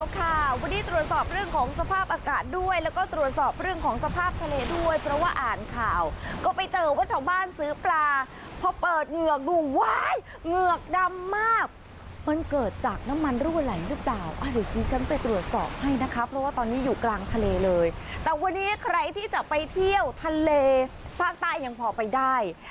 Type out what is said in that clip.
ค่ะวันนี้ตรวจสอบเรื่องของสภาพอากาศด้วยแล้วก็ตรวจสอบเรื่องของสภาพทะเลด้วยเพราะว่าอ่านข่าวก็ไปเจอว่าชาวบ้านซื้อปลาพอเปิดเหงือกดูว้ายเหงือกดำมากมันเกิดจากน้ำมันรั่วไหลหรือเปล่าอ่ะเดี๋ยวดิฉันไปตรวจสอบให้นะคะเพราะว่าตอนนี้อยู่กลางทะเลเลยแต่วันนี้ใครที่จะไปเที่ยวทะเลภาคใต้ยังพอไปได้